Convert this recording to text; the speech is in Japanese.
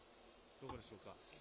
どこでしょうか？